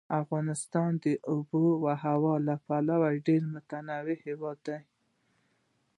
افغانستان د آب وهوا له پلوه ډېر متنوع هېواد دی.